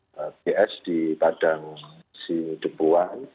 ps di padang si depuan